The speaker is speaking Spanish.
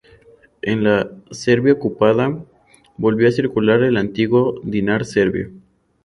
En la Serbia ocupada, volvió a circular el antiguo dinar serbio.